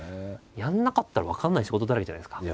やらなかったら分からない仕事だらけじゃないですか。